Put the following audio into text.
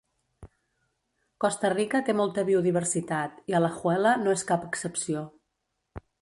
Costa Rica té molta biodiversitat i Alajuela no és cap excepció.